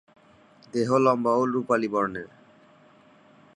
দেহ লম্বা ও রুপালি বর্ণের।